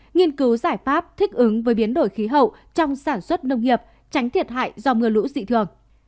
nghiên cứu giải pháp thích ứng với biến đổi khí hậu trong sản xuất nông nghiệp tránh thiệt hại do mưa lũ dị thường